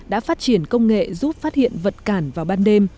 đã phát triển công nghệ giúp phát hiện vật cản vào ban đêm